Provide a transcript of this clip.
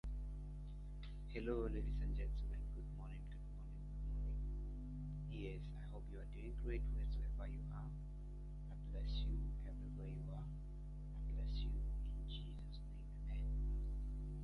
Its feet and legs are orange.